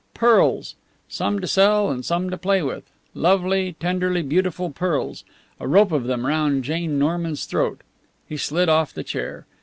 Pearls! Some to sell and some to play with. Lovely, tenderly beautiful pearls a rope of them round Jane Norman's throat. He slid off the chair.